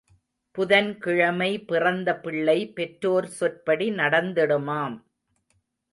புதன் கிழமை பிறந்த பிள்ளை பெற்றோர் சொற்படி நடந்திடுமாம்.